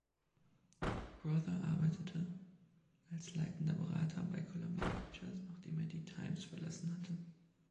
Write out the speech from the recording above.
Crowther arbeitete als leitender Berater bei Columbia Pictures, nachdem er die „Times“ verlassen hatte.